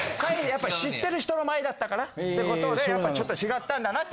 やっぱり知ってる人の前だったからってことでやっぱちょっと違ったんだなって。